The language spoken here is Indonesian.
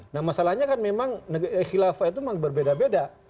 nah masalahnya kan memang khilafah itu memang berbeda beda